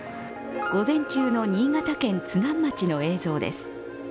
午前中の新潟県津南町の映像です。